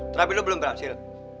terapi lu belum berhasil